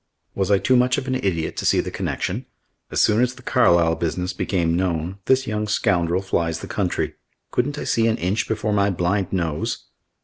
Was I too much of an idiot to see the connection? As soon as the Carlisle business became known, this young scoundrel flies the country. Couldn't I see an inch before my blind nose?